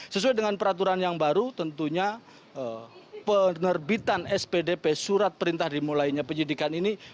sesuai dengan peraturan yang baru tentunya penerbitan spdp surat perintah dimulainya penyidikan ini